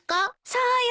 そうよ。